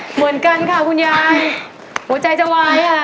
เหมือนกันค่ะคุณยายหัวใจจะวายอ่ะ